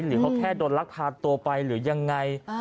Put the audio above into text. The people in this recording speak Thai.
หรือเขาแค่โดนลักพาตัวไปหรือยังไง